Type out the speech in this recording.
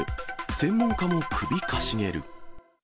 専門家も首かしげる。